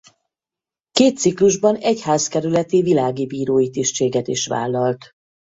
Két ciklusban egyházkerületi világi bírói tisztséget is vállalt.